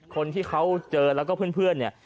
คนที่เขาเจอแล้วก็เพื่อนเนี่ย